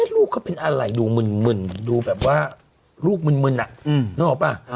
ลูกเขาเป็นอะไรดูมึนดูแบบว่าลูกมึนนึกออกป่ะ